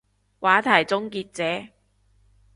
話題終結者